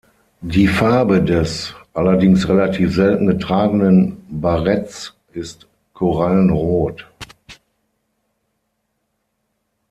Die Farbe des, allerdings relativ selten getragenen, Baretts ist korallenrot.